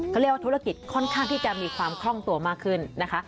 เขาเรียกว่าธุรกิจค่อนข้างที่จะมีความคล่องตัวมากขึ้นนะคะ